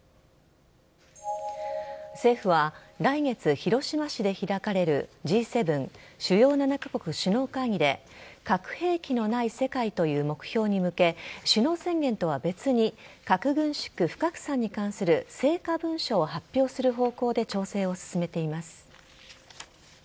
政府は来月、広島市で開かれるＧ７＝主要７カ国首脳会議で核兵器のない世界という目標に向け首脳宣言とは別に核軍縮・不拡散に関する成果文書を発表する方向で調整を進めています。